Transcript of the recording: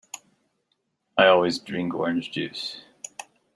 I always drink orange juice.